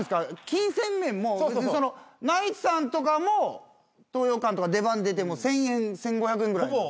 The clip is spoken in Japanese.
金銭面もナイツさんとかも東洋館とか出番出ても１，０００円１，５００円ぐらい。